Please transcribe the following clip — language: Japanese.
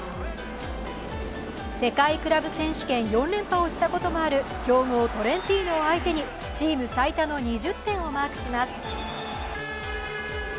世界クラブ選手権４連覇をしたこともある強豪トレンティーノを相手にチーム最多の２０点をマークします。